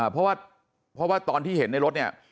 เพราะว่าตอนที่เห็นในรถเนี่ย